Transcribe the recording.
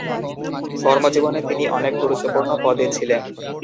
কর্মজীবনে তিনি অনেক গুরুত্বপূর্ণ পদে ছিলেন।